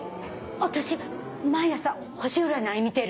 私毎朝星占い見てる。